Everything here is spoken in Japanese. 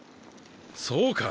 そうか。